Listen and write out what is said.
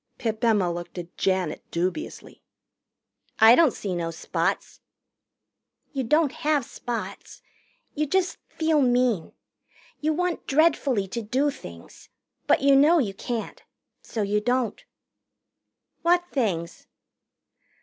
Pip Emma looked at Janet dubiously. "I don't see no spots." "You don't have spots. You just feel mean. You want dreadfully to do things. But you know you can't. So you don't." "What things?"